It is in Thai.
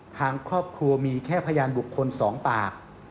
ทางครอบครัวมีแค่พยานบุคคล๒ปาก